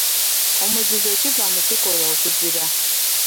Omuzizo kiva mu kikolwa okuzira.